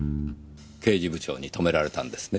刑事部長に止められたんですね？